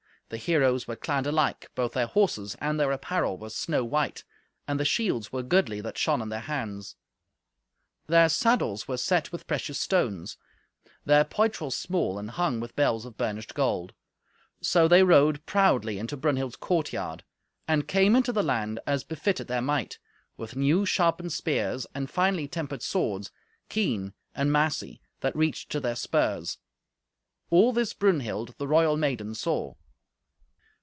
The heroes were clad alike; both their horses and their apparel were snow white, and the shields were goodly that shone in their hands. Their saddles were set with precious stones, their poitrels small, and hung with bells of burnished gold. So they rode proudly into Brunhild's courtyard, and came into the land as befitted their might, with new sharpened spears, and finely tempered swords, keen and massy, that reached to their spurs. All this Brunhild, the royal maiden, saw.